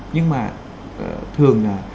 nhưng mà thường là